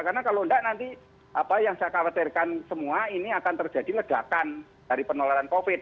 karena kalau nggak nanti apa yang saya khawatirkan semua ini akan terjadi legakan dari penularan covid